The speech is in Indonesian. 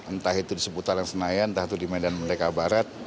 entah itu disebutan di senayan entah itu di medan melayu kabarat